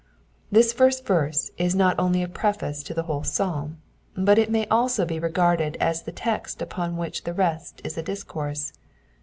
This first verse is not only a preface to the whole psalm, but it may also be regarded as the text upon which the rest is a discourse.